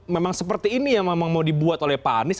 memang seperti ini yang memang mau dibuat oleh pak anies